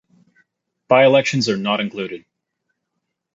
By-elections are not included.